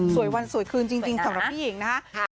วันสวยคืนจริงสำหรับพี่หญิงนะครับ